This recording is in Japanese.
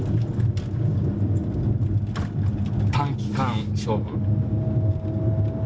短期間勝負。